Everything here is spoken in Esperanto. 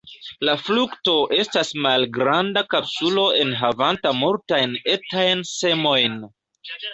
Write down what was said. La frukto estas malgranda kapsulo enhavanta multajn etajn semojn.